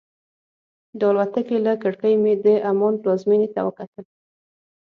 د الوتکې له کړکۍ مې د عمان پلازمېنې ته وکتل.